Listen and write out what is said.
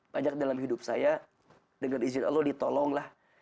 banyak dalam hidup saya dengan izin allah ditolong lah